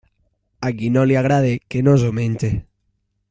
A qui no li agrade, que no s'ho menge.